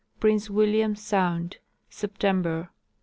Prince William sound, September.